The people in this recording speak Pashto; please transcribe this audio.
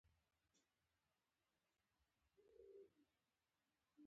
غاښونه د بدن له مهمو برخو څخه دي.